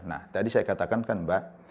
nah tadi saya katakan kan mbak